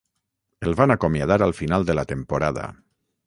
El van acomiadar al final de la temporada.